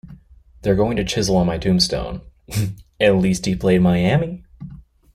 They're going to chisel on my tombstone, 'At least he played Miami.